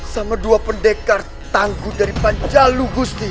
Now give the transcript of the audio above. sama dua pendekar tangguh dari panjalu gusti